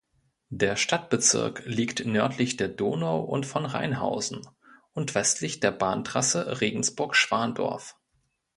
Der Stadtbezirk liegt nördlich der Donau und von Reinhausen und westlich der Bahntrasse Regensburg-Schwandorf.